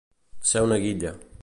Ser una guilla.